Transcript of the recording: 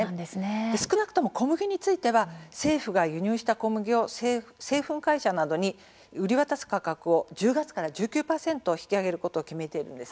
少なくとも小麦については政府が輸入した小麦を製粉会社などに売り渡す価格を１０月から１９％引き上げることを決めているんです。